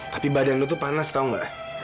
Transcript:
tapi badan lu tuh panas tau gak